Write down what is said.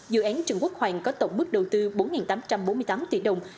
dự án trần quốc hoàng có tổng mức đầu tư bốn tám trăm bốn mươi tám tỷ đồng